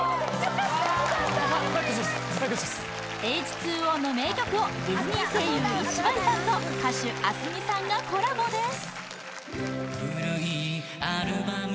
Ｈ２Ｏの名曲をディズニー声優石橋さんと歌手ａｓｍｉさんがコラボです